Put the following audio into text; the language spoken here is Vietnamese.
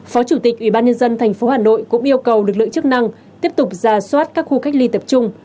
phó chủ tịch ủy ban nhân dân tp hà nội cũng yêu cầu lực lượng chức năng tiếp tục ra soát các khu cách ly tập trung